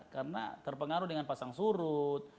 karena terpengaruh dengan pasang surut